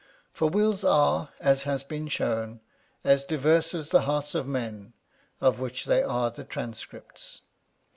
For wills are, as has been shown, as diverse as the hearts of men, of which they are the transcripts.